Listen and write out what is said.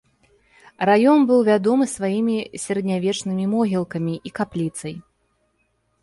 Раён быў вядомы сваімі сярэднявечнымі могілкамі і капліцай.